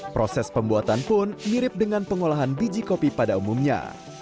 proses pembuatan pun mirip dengan pengolahan biji kopi pada umumnya